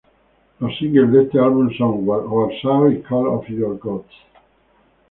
Los singles de este álbum son "Warsaw" y "Call Off Your Ghost".